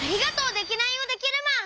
デキナイヲデキルマン！